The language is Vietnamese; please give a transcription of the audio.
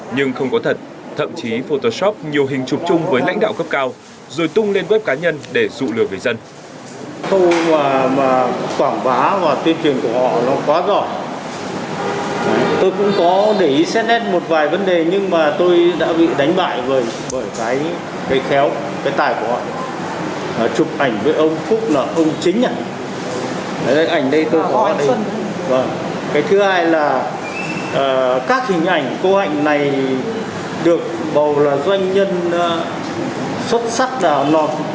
nhưng không có thật thậm chí photoshop nhiều hình chụp chung với lãnh đạo cấp cao rồi tung lên web cá nhân để dụ lừa người dân